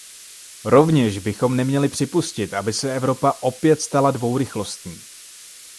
Rovněž bychom neměli připustit, aby se Evropa opět stala dvourychlostní.